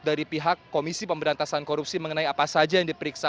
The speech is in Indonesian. dari pihak komisi pemberantasan korupsi mengenai apa saja yang diperiksa